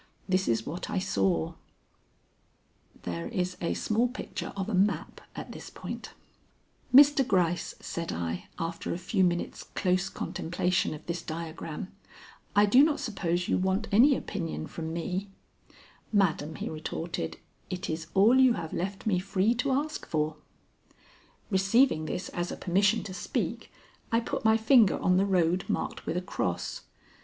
This is what I saw: "Mr. Gryce," said I, after a few minutes' close contemplation of this diagram, "I do not suppose you want any opinion from me." "Madam," he retorted, "it is all you have left me free to ask for." Receiving this as a permission to speak, I put my finger on the road marked with a cross.